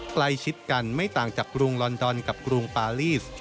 ใกล้ชิดกันไม่ต่างจากกรุงลอนดอนกับกรุงปาลีส